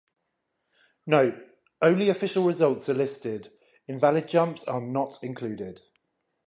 Note: Only official results are listed, invalid jumps are not included.